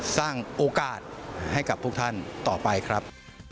สร้างโอกาสให้กับพวกท่านต่อไปครับ